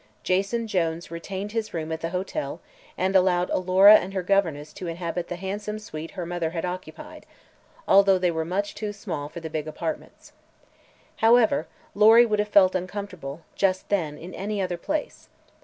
Jason Jones retained his room at the hotel and allowed Alora and her governess to inhabit the handsome suite her mother had occupied, although they were much too small for the big apartments. However, Lory would have felt uncomfortable, just then, in any other place.